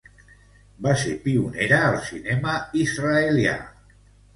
Va ser pionera al cinema israelià.